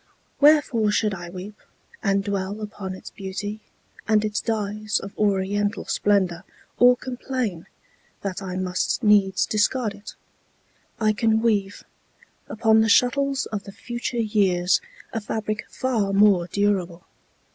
Wherefore should I weep And dwell upon its beauty, and its dyes Of oriental splendor, or complain That I must needs discard it? I can weave Upon the shuttles of the future years A fabric far more durable.